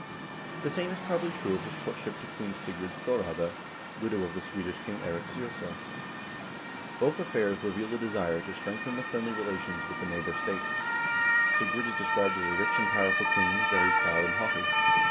The same is probably true of his courtship of Queen Sigrid Storraade, widow of the Swedish king, Eirik Seierssel. Both affairs reveal a desire to strengthen the friendly relations with the neighbor state. Sigrid is described as a rich and powerful queen, very proud and haughty.